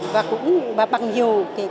và cũng bằng nhiều